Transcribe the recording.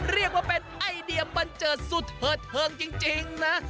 เรียกว่าเป็นไอเดียบันเจิดสุดเถิดเทิงจริงนะ